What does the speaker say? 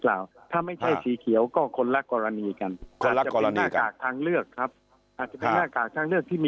ก่อนหนึ่งเป็นนาคารกรรมไมค์เพื่อการแพทย์หรือเปล่าครับเห็นครับ